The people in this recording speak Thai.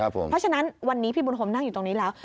เพราะฉะนั้นวันนี้พี่บุญโฮมนั่งอยู่ตรงนี้แล้ว